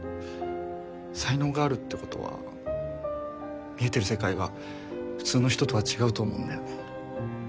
才能があるってことは見えてる世界が普通の人とは違うと思うんだよね。